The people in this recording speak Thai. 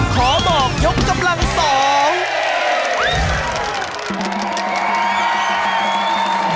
ขอบอกยกกำลังสอง